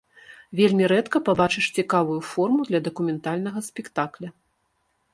Вельмі рэдка пабачыш цікавую форму для дакументальнага спектакля.